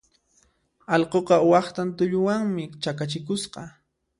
Allquqa waqtan tulluwanmi chakachikusqa.